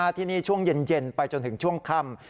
ที่นี่ช่วงเย็นไปจนถึงช่วงค่ำ